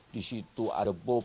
di situ ada bob